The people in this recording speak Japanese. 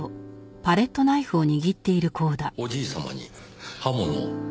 おじい様に刃物を？